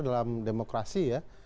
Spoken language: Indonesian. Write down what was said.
dalam demokrasi ya